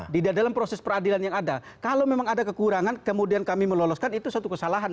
di dalam proses peradilan yang ada kalau memang ada kekurangan kemudian kami meloloskan itu satu kesalahan